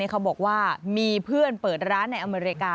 เขาบอกว่ามีเพื่อนเปิดร้านในอเมริกา